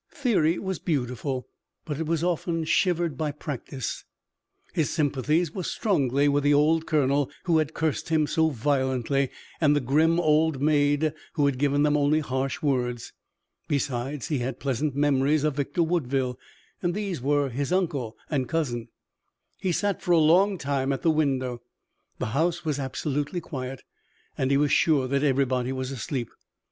Theory was beautiful, but it was often shivered by practice. His sympathies were strongly with the old colonel who had cursed him so violently and the grim old maid who had given them only harsh words. Besides, he had pleasant memories of Victor Woodville, and these were his uncle and cousin. He sat for a long time at the window. The house was absolutely quiet, and he was sure that everybody was asleep.